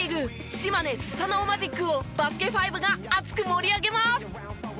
島根スサノオマジックを『バスケ☆ＦＩＶＥ』が熱く盛り上げます。